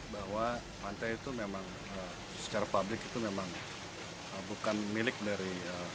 bahwa pantai itu memang secara publik itu memang bukan milik dari